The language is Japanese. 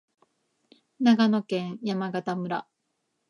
長野県山形村